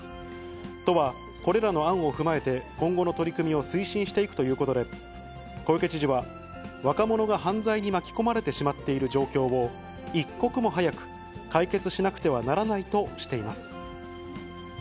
都はこれらの案を踏まえて、今後の取り組みを推進していくということで、小池知事は、若者が犯罪に巻き込まれてしまっている状況を、一刻も早く解決しなくてはならないとしています。